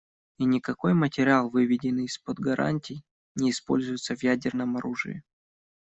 И никакой материал, выведенный из-под гарантий, не используется в ядерном оружии.